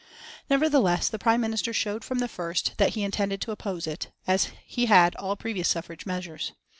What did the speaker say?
Nevertheless, the Prime Minister showed from the first that he intended to oppose it, as he had all previous suffrage measures.